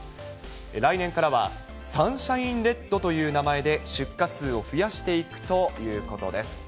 来年からは、サンシャインレッドという名前で出荷数を増やしていくということです。